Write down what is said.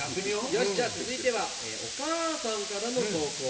よしじゃあ続いてはおかあさんからの投稿。